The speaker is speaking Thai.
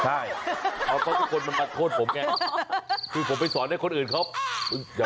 ใช่เพราะทุกคนมันมาโทษผมไงคือผมไปสอนให้คนอื่นเขา